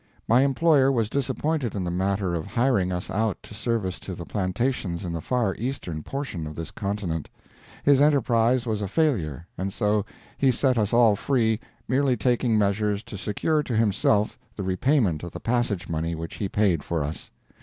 My employer was disappointed in the matter of hiring us out to service to the plantations in the far eastern portion of this continent. His enterprise was a failure, and so he set us all free, merely taking measures to secure to himself the repayment of the passage money which he paid for us.